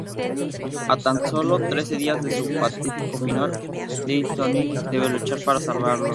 A tan solo trece días de su fatídico final, Lightning debe luchar para salvarlo.